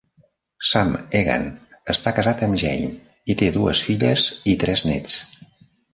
Sam Egan està casat amb Jane i té dues filles i tres nets.